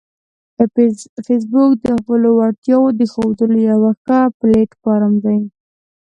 فېسبوک د خپلو وړتیاوو د ښودلو یو ښه پلیټ فارم دی